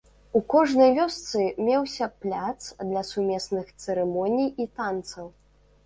У кожнай вёсцы меўся пляц для сумесных цырымоній і танцаў.